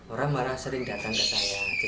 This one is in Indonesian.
orang marah sering datang ke saya